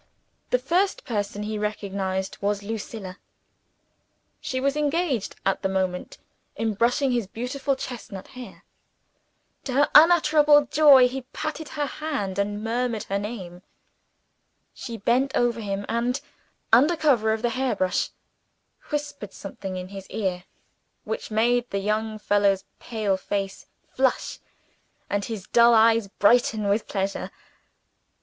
The first person he recognized was Lucilla. She was engaged at the moment in brushing his beautiful chestnut hair. To her unutterable joy, he patted her hand, and murmured her name. She bent over him; and, under cover of the hair brush, whispered something in his ear which made the young fellow's pale face flush, and his dull eyes brighten with pleasure.